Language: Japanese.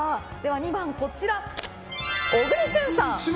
２番、小栗旬さん。